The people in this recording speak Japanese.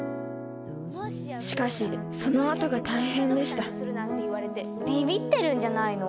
しかしそのあとが大変でしたびびってるんじゃないの？